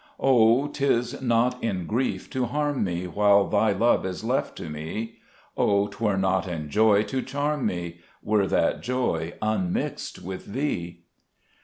O 'tis not in grief to harm me While Thy love is left to me ; O 'twere not in joy to charm me, Were that joy unmixed with Thee.